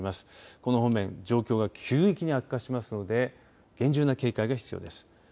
この方面、状況が急激に悪化しますので厳重な警戒が必要です。